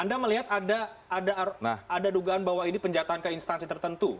anda melihat ada dugaan bahwa ini penjataan ke instansi tertentu